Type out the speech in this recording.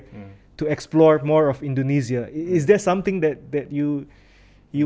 untuk mengembangkan indonesia lebih banyak